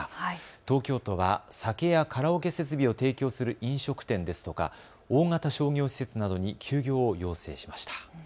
東京都は酒やカラオケ設備を提供する飲食店ですとか大型商業施設などに休業を要請しました。